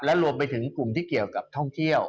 และรวมไปถึงกลุ่มที่เกี่ยวกับท่องเที่ยว